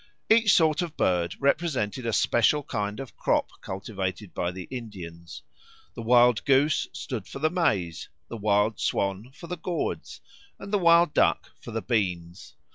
Each sort of bird represented a special kind of crop cultivated by the Indians: the wild goose stood for the maize, the wild swan for the gourds, and the wild duck for the beans.